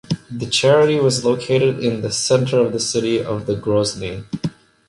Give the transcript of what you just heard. The charity was located in the centre of the City of the Grozny.